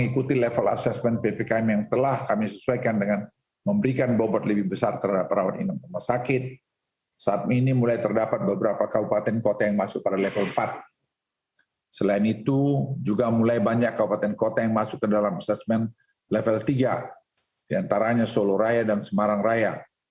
kota yang masuk ke dalam sesmen level tiga diantaranya soloraya dan semarang raya